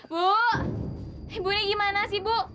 bu ibunya gimana sih bu